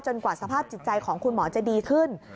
กว่าสภาพจิตใจของคุณหมอจะดีขึ้น